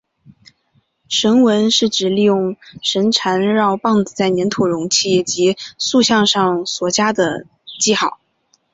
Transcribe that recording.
绳文是指利用绳缠绕棒子在黏土容器及塑像上所加上的记号。